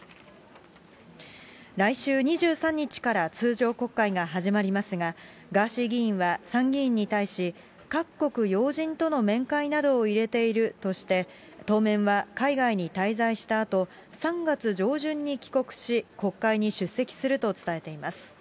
来週２３日から通常国会が始まりますが、ガーシー議員は参議院に対し、各国要人との面会などを入れているとして、当面は海外に滞在したあと、３月上旬に帰国し、国会に出席すると伝えています。